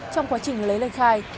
trong quá trình lấy lời khai